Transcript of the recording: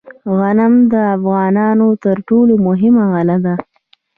غنم د افغانستان تر ټولو مهمه غله ده.